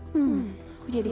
hmm udah jadi